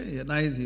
hiện nay thì